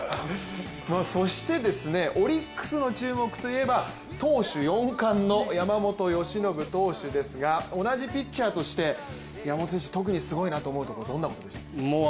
そしてオリックスの注目といえば、投手４冠の山本由伸投手ですが同じピッチャーとして山本選手、特にすごいなと思うところはどんなところでしょう。